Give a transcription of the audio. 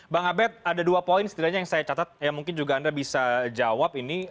bang abed ada dua poin setidaknya yang saya catat yang mungkin juga anda bisa jawab ini